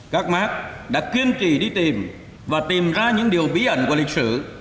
các mark đã kiên trì đi tìm và tìm ra những điều bí ẩn của lịch sử